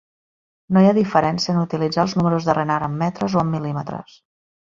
No hi ha diferència en utilitzar els números de Renard amb metres o amb mil·límetres.